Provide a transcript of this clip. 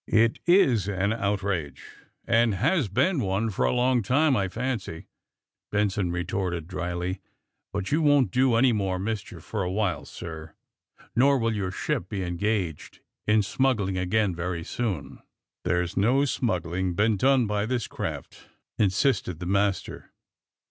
'^It is an outrage, and has been one for a long time, I fancy,'' Benson retorted dryly. *^But you won't do any more mischief for a while, sir, nor will your ship be engaged in smuggling again very soon. ''^* There's no smuggling been done by this craft," insisted the master.